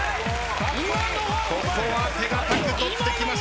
ここは手堅く取ってきました。